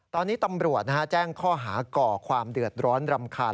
ตอนนี้ตำรวจแจ้งข้อหาก่อความเดือดร้อนรำคาญ